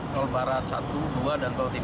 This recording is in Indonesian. tol barat satu dua dan tol tiga